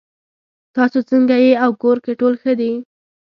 تاسو څنګه یې او کور کې ټول ښه دي